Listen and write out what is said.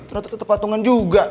ternyata tetap patungan juga